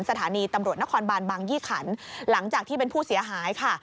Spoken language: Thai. สถานีตำรวจนครบานบางยี่ขันหลังจากที่เป็นผู้เสียหายค่ะ